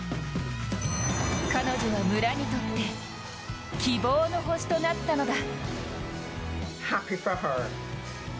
彼女は村にとって希望の星となったのだ。